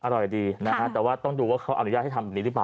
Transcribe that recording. อร่อยดีนะฮะแต่ว่าต้องดูว่าเขาอนุญาตให้ทำแบบนี้หรือเปล่า